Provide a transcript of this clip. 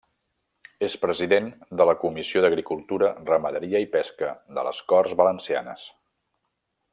És president de la Comissió d'Agricultura, Ramaderia i Pesca de les Corts Valencianes.